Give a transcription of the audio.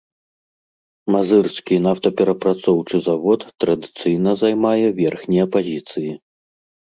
Мазырскі нафтаперапрацоўчы завод традыцыйна займае верхнія пазіцыі.